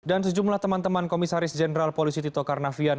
dan sejumlah teman teman komisaris jenderal polisi tito karnavian